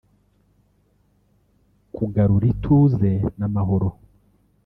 kugarura ituze n’amahoro